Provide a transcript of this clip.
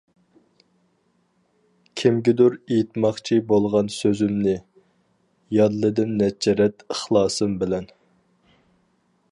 كىمگىدۇر ئېيتماقچى بولغان سۆزۈمنى، يادلىدىم نەچچە رەت ئىخلاسىم بىلەن.